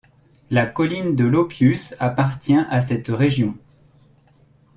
La colline de l'Oppius appartient à cette région.